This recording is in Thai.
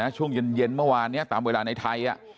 ช่วงเย็นเมื่อวานนี้ตามเวลาในไทย